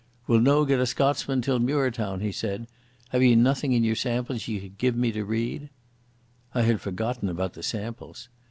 "We'll no get a Scotsman till Muirtown," he said. "Have ye nothing in your samples ye could give me to read?" I had forgotten about the samples.